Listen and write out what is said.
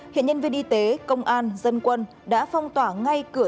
hiện nhân viên y tế công an dân quân đã phong tỏa ngay cửa